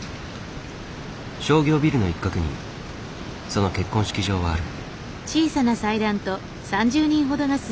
商業ビルの一角にその結婚式場はある。